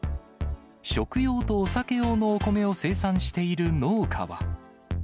食用とお酒用のお米を生産している農家は。